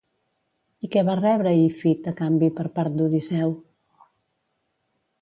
I què va rebre Ífit a canvi per part d'Odisseu?